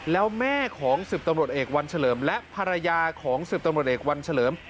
แล้วแม่ของ๑๐ตำรวจเอกวันเฉลิมและภรรยาของ๑๐ตำรวจเอกวันเฉลิม